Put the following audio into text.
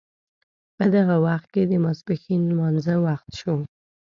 په دغه وخت کې د ماپښین لمانځه وخت شو.